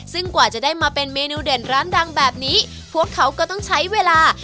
ซึ่งกว่าจะได้มาเป็นเมนูเด่นร้านดังแบบนี้พวกเขาก็ต้องใช้เวลา